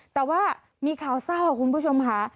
แต่ว่ามีข่าวเศร้าคุณผู้ชมค่ะ